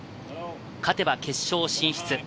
勝てば決勝進出。